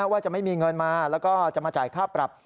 ว่าจะไม่มีเงินมาแล้วก็จะมาจ่ายค่าปรับ